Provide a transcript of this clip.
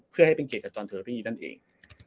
เพื่อให้จะต้องเป็นเกรทฟ์จอร์ลเทอร์รีดั้นเอง